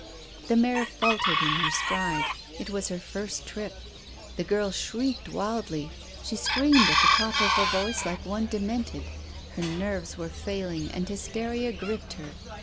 The mare faltered in her stride; it was her first trip. The girl shrieked wildly. She screamed at the top of her voice like one demented. Her nerves were failing, and hysteria gripped her.